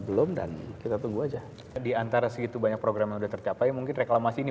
belum dan kita tunggu aja diantara segitu banyak program yang sudah tercapai mungkin reklamasi ini